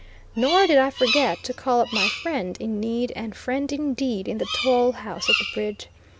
Nor did I forget to call up my friend in need and friend indeed in the toll house at the bridge.